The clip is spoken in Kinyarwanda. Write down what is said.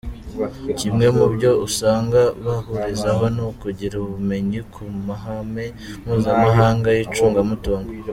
Kimwe mu byo usanga bahurizaho ni ukugira ubumenyi ku mahame mpuzamahanga y’icungamutungo.